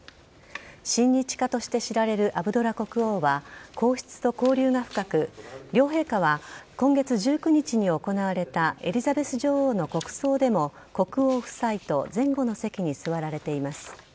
親日家として知られるアブドラ国王は皇室と交流が深く、両陛下は今月１９日に行われたエリザベス女王の国葬でも国王夫妻と前後の席に座られています。